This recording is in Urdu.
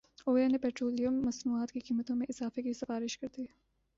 اوگرا نے پیٹرولیم مصنوعات کی قیمتوں میں اضافے کی سفارش کردی